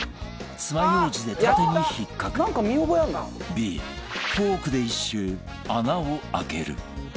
Ｂ フォークで１周穴を開ける